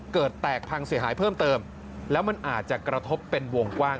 เกิดแตกพังเสียหายเพิ่มเติมแล้วมันอาจจะกระทบเป็นวงกว้าง